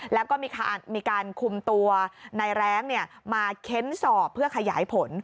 แล้วก็มีการคุมตัวในแร้งมาเค้นสอบเพื่อขยายผล